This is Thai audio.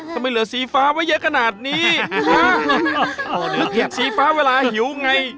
ทำไมเหลือสีฟ้าไว้เยอะขนาดนี้สีฟ้าเวลาหิวไง